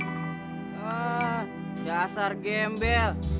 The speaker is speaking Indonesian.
ah dasar gembel